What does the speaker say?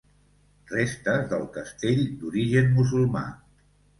Restes del castell d'origen musulmà.